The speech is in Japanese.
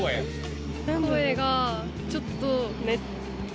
声がちょっと。